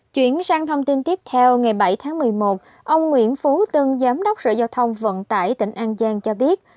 chuyển sang thông tin tiếp theo ngày bảy tháng một mươi một ông nguyễn phú tân giám đốc sở giao thông vận tải tỉnh an giang cho biết